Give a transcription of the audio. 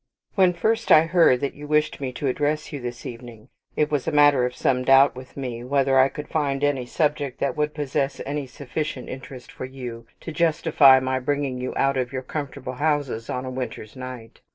_ When first I heard that you wished me to address you this evening, it was a matter of some doubt with me whether I could find any subject that would possess any sufficient interest for you to justify my bringing you out of your comfortable houses on a winter's night.